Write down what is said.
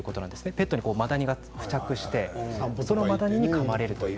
ペットにマダニが付着してそのマダニにかまれると。